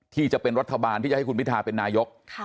ที่จะเป็นรัฐบาลที่จะให้คุณพิทาเป็นนายก